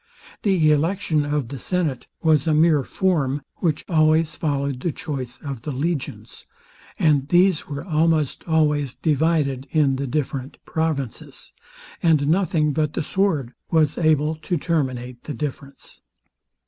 The election of the senate was a mere form, which always followed the choice of the legions; and these were almost always divided in the different provinces, and nothing but the sword was able to terminate the difference.